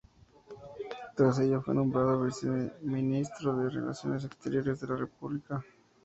Tras ello fue nombrado Viceministro de Relaciones Exteriores de la República.